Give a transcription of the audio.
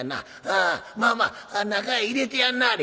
ああまあまあ中へ入れてやんなはれ」。